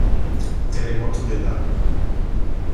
Terremoto dell'Aquila